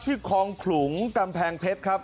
คลองขลุงกำแพงเพชรครับ